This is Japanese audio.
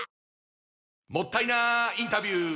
もったいなインタビュー！